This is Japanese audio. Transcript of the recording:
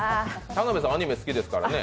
田辺さん、アニメ好きですからね。